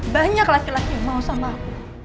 banyak laki laki mau sama aku